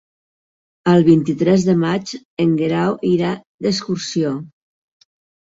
El vint-i-tres de maig en Guerau irà d'excursió.